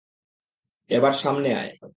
এবার সামনে আয়।